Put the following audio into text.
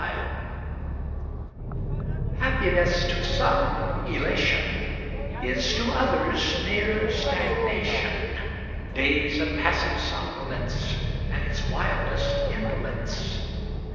Happiness Happiness, to some, elation; Is, to others, mere stagnation. Days of passive somnolence, At its wildest, indolence.